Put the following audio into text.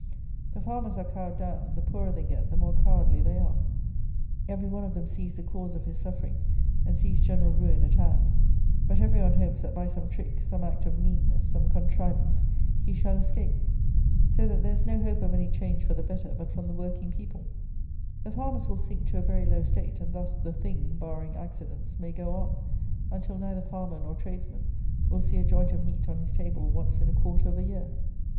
The farmers are cowed down: the poorer they get, the more cowardly they are. Every one of them sees the cause of his suffering, and sees general ruin at hand; but every one hopes that by some trick, some act of meanness, some contrivance, he shall escape. So that there is no hope of any change for the better but from the working people. The farmers will sink to a very low state; and thus the Thing (barring accidents) may go on, until neither farmer nor tradesman will see a joint of meat on his table once in a quarter of a year.